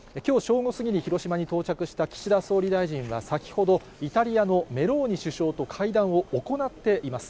午過ぎに広島に到着した岸田総理大臣は先ほど、イタリアのメローニ首相と会談を行っています。